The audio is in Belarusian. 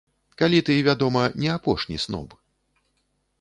Калі ты, вядома, не апошні сноб.